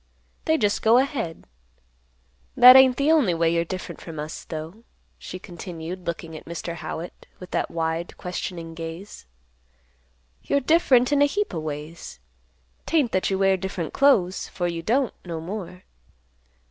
They just go ahead. That ain't the only way you're different from us, though," she continued, looking at Mr. Howitt, with that wide questioning gaze. "You're different in a heap o' ways. 'Tain't that you wear different clothes, for you don't, no more.